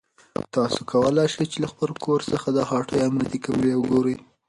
تاسو کولای شئ چې له خپل کور څخه د هټۍ امنیتي کامرې وګورئ.